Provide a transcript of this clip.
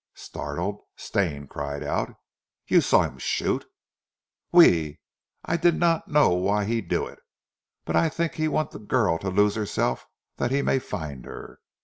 Startled, Stane cried out. "You saw him shoot " "Oui! I not know why he do eet. But I tink he want zee girl to lose herself dat he may find her.